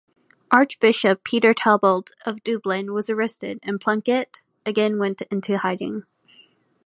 Archbishop Peter Talbot of Dublin was arrested, and Plunkett again went into hiding.